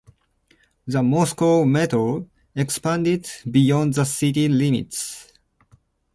The Moscow metro expanded beyond the city limits.